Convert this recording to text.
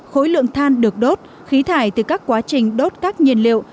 khối lượng than được đốt khí thải từ các quá trình đốt các nhiệt điện